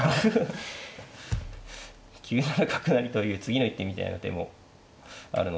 ９七角成という次の一手みたいな手もあるので。